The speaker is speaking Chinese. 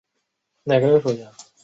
前上颌骨齿为一丛不具复合齿。